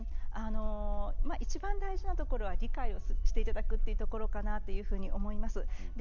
いちばん大事なところは理解をしていただくというところかなと思います。